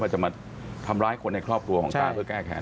จะมาทำร้ายคนในครอบครัวของต้าเพื่อแก้แขน